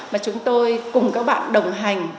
mà chúng tôi cùng các bạn đồng hành